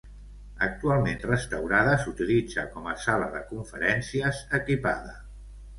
Actualment restaurada s'utilitza com a Sala de conferències equipada.